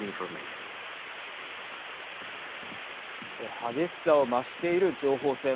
激しさを増している情報戦。